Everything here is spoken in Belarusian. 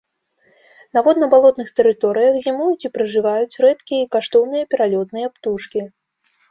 На водна-балотных тэрыторыях зімуюць і пражываюць рэдкія і каштоўныя пералётныя птушкі.